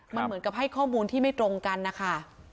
มันเหมือนกับให้ข้อมูลที่ไม่ตรงกันนะคะ